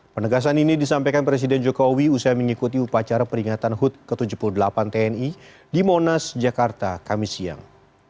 penegasan ini disampaikan presiden jokowi usai mengikuti upacara peringatan hud ke tujuh puluh delapan tni di monas jakarta kami siang